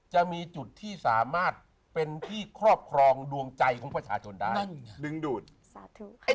จะมีจุดที่สามารถเป็นที่ครอบครองดวงใจของประชาชนได้